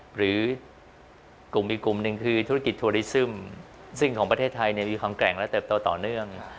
หรือกลุ่มอีกกลุ่มหนึ่งคือธุรกิจทัวริซึมซึ่งของประเทศไทยมีความแกร่งและเติบโตต่อเนื่อง